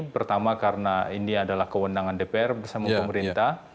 pertama karena ini adalah kewenangan dpr bersama pemerintah